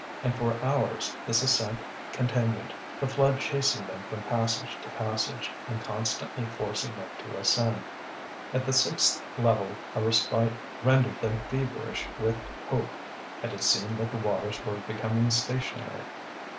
And for hours this ascent continued, the flood chasing them from passage to passage, and constantly forcing them to ascend. At the sixth level a respite rendered them feverish with hope, and it seemed that the waters were becoming stationary.